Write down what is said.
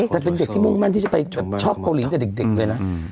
แต่เป็นเด็กที่มุ่งมั่นที่จะไปชอบเกาหลีตั้งแต่เด็กเลยนะ